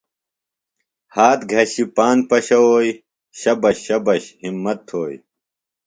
ہات گِھشی پاند پشَوؤئیۡ، شبش شبش ہِمت تھوئیۡ